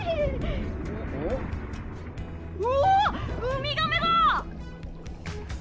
うわあ海ガメだ！